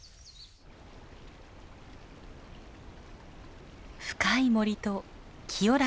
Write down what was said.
深い森と清らかな水辺。